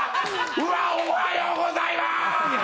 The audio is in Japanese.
うわ、おはようございまーす！